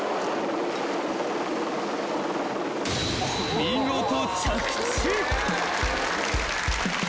［見事着地］